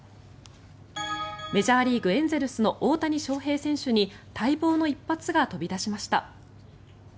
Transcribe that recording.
メジャーリーグ、エンゼルスの大谷翔平選手に待望の一発が飛び出しました。